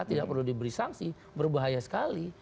tidak perlu diberi sanksi berbahaya sekali